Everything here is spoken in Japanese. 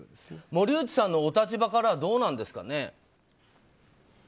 森内さんのお立場からはどうですかね。